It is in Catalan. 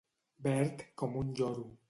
Verd com un lloro.